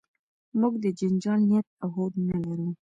موږ د جنجال نیت او هوډ نه لرو.